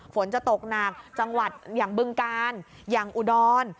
ฝนจะตกหนักจังหวัดอย่างบึงกาลอย่างอุดร